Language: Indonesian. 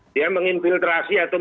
dia menginfiltrasi atau